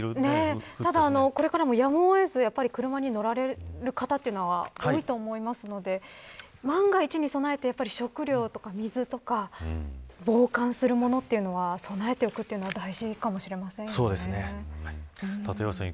ただ、これからもやむを得ず車に乗られる方というのは多いと思いますので万が一に備えて、食料とか水とか防寒するものというのは備えておくというのはそうですね。